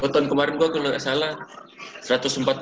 tahun kemarin gua ga salah satu ratus empat belas kan